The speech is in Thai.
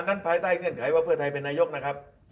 ภายใต้เงื่อนไขว่าเพื่อไทยเป็นนายกนะครับ